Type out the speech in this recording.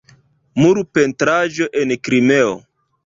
Murpentraĵo en Krimeo.